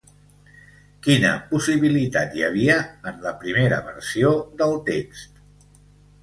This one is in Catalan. Quina possibilitat hi havia en la primera versió del text?